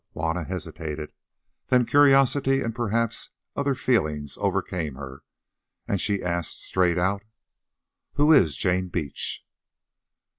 Juanna hesitated; then curiosity and perhaps other feelings overcame her, and she asked straight out— "Who is Jane Beach?"